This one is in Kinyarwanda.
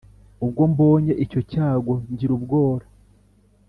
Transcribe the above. Ubwo mbonye icyo cyago ngira ubwora